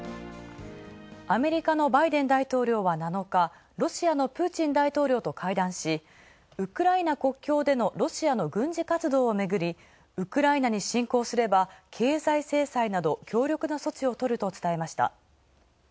アメリカのバイデン大統領は７日、ロシアのプーチン大統領と会談し、ウクライナ国境でのロシアの軍事活動をめぐり、ウクライナに侵攻すれば経済制裁など強力な措置を取ると伝えました。